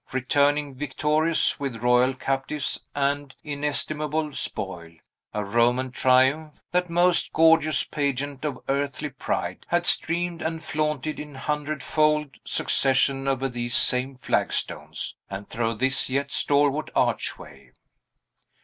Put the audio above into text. Returning victorious, with royal captives and inestimable spoil, a Roman triumph, that most gorgeous pageant of earthly pride, had streamed and flaunted in hundred fold succession over these same flagstones, and through this yet stalwart archway.